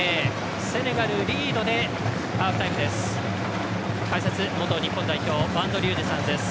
セネガルリードでハーフタイムです。